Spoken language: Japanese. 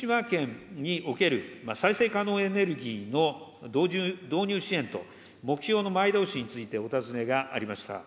福島県における再生可能エネルギーの導入支援と、目標の前倒しについてお尋ねがありました。